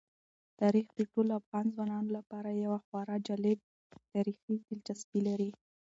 تاریخ د ټولو افغان ځوانانو لپاره یوه خورا جالب تاریخي دلچسپي لري.